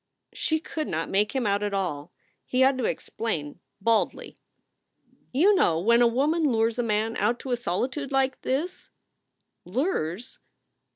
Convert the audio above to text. She could not make him out at all. He had to explain, baldly: "You know when a woman lures a man out to a solitude like this" "Lures?"